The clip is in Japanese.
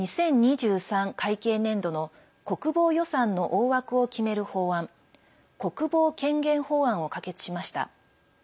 会計年度の国防予算の大枠を決める法案国防権限法案を可決しました。